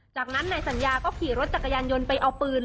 จากนั้นนายสัญญาก็ขี่รถจักรยานยนต์ไปเอาปืน